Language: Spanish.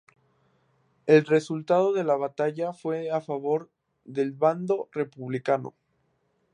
El resultado de la batalla fue a favor del bando republicano.